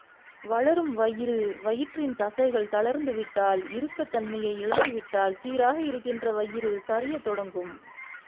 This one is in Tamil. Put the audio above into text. வளரும் வயிறு வயிற்றின் தசைகள் தளர்ந்து விட்டால், இறுக்கத் தன்மையை இழந்துவிட்டால், சீராக இருக்கின்ற வயிறு சரியத் தொடங்கும்.